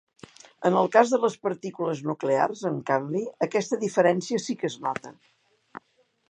En el cas de les partícules nuclears, en canvi, aquesta diferència sí que es nota.